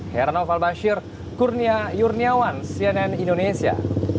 herano falbashir kurnia yurniawan cnn indonesia